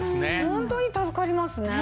ホントに助かりますね。